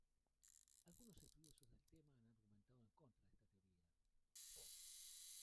Algunos estudiosos del tema han argumentado en contra de esta teoría.